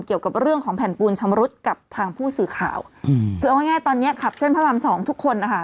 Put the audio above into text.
เกี่ยวกับเรื่องของแผ่นปูนชำรุดกับทางผู้สื่อข่าวอืมคือเอาง่ายตอนเนี้ยขับเส้นพระรามสองทุกคนนะคะ